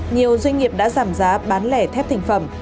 nhiều doanh nghiệp đã giảm giá bán lẻ thép thành phẩm